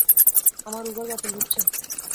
আমার উবার বাতিল হচ্ছে।